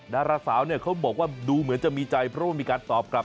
ดาราสาวเนี่ยเขาบอกว่าดูเหมือนจะมีใจเพราะว่ามีการตอบกลับ